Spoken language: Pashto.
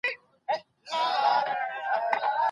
عیاش او بې مسوولیته کسان په دولتي ادارو کې مقرر شول.